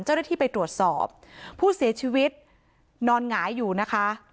เจ้าหน้าที่ไปตรวจสอบผู้เสียชีวิตนอนหงายอยู่นะคะ